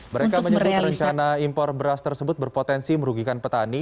mereka menyebut rencana impor beras tersebut berpotensi merugikan petani